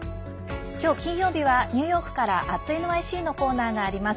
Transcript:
今日、金曜日はニューヨークから「＠ｎｙｃ」のコーナーがあります。